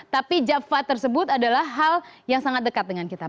tapi jafa tersebut adalah hal yang sangat dekat dengan kita